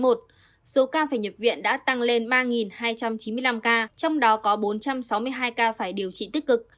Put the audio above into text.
số ca phải nhập viện đã tăng lên ba hai trăm chín mươi năm ca trong đó có bốn trăm sáu mươi hai ca phải điều trị tích cực